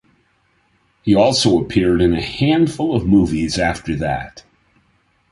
He also appeared in a handful of movies after that.